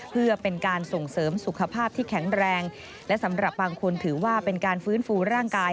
เพื่อเป็นการส่งเสริมสุขภาพที่แข็งแรงและสำหรับบางคนถือว่าเป็นการฟื้นฟูร่างกาย